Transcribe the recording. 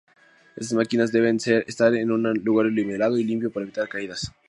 Estas máquinas deben estar en un lugar nivelado y limpio para evitar caídas.